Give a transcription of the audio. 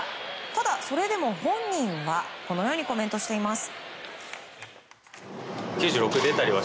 ただ、それでも本人はこのようにコメントしています。